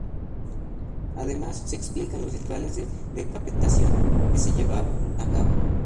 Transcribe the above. Además, se explican los rituales de decapitación que se llevaban a cabo.